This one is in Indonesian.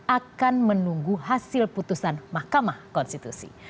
akan menunggu hasil putusan mahkamah konstitusi